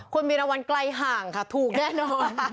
ควรมีรางวัลใกล้ห่างค่ะถูกแน่นอน